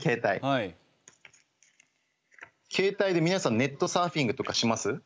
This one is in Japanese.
携帯で皆さんネットサーフィングとかします？